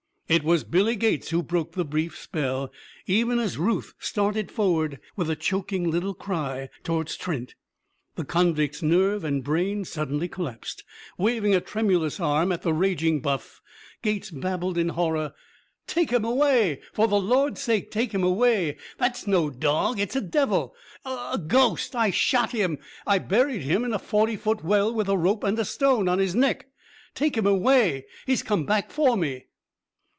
It was Billy Gates who broke the brief spell. Even as Ruth started forward, with a choking little cry, towards Trent, the convict's nerve and brain suddenly collapsed. Waving a tremulous arm at the raging Buff, Gates babbled in horror: "Take him away! For the Lord's sake, take him away! That's no dog! It's a devil! A a ghost! I I shot him and I buried him in a a forty foot well with a rope and a stone on his neck! Take him away! He's come back for me!"